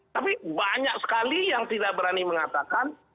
tapi banyak sekali yang tidak berani mengatakan